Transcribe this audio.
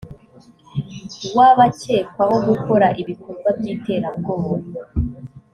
w abakekwaho gukora ibikorwa by iterabwoba